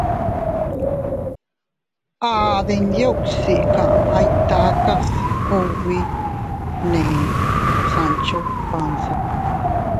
—A Denyuksi kamay takas kugbi —nbefne Sancho Panza.